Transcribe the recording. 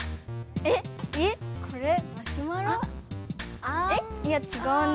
えっ？いやちがうな。